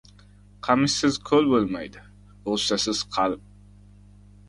• Qamishsiz ko‘l bo‘lmaydi, g‘ussasiz ― qalb.